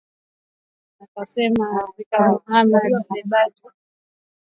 nchi iko kwenye hatari kubwa alisema mjumbe wa Umoja wa Afrika Mohamed Lebatt